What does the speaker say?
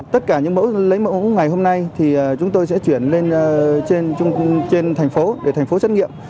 tất cả những mẫu lấy mẫu ngày hôm nay thì chúng tôi sẽ chuyển lên trên thành phố để thành phố xét nghiệm